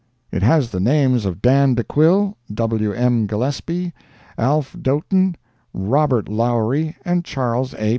It has the names of Dan De Quille, W. M. Gillespie, Alf. Doten, Robert Lowery and Charles A.